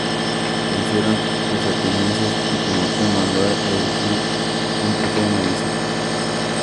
Vencieron los atenienses y Timoteo mandó erigir un trofeo en Alicia.